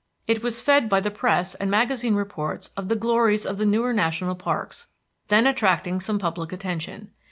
It was fed by the press and magazine reports of the glories of the newer national parks, then attracting some public attention.